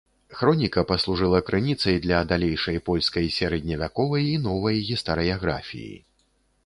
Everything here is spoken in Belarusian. Хроніка паслужыла крыніцай для далейшай польскай сярэдневяковай і новай гістарыяграфіі.